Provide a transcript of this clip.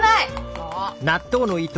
もう。